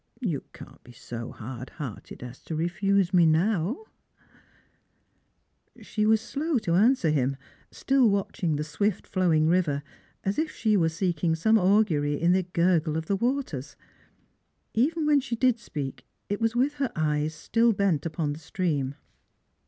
You can't be so hard hearted as to refuse me now ?" She was slow to answer him, stUl watching the swift flowing river, as if she were seeking some augury in the gurgle of the waters. Even when she did speak, it was with her eyes still bent upon the stream.